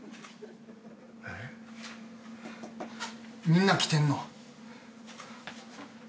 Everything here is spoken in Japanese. みんな来てんの？